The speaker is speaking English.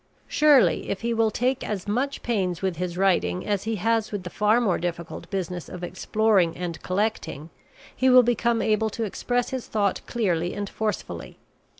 Surely, if he will take as much pains with his writing as he has with the far more difficult business of exploring and collecting, he will become able to express his thought clearly and forcefully.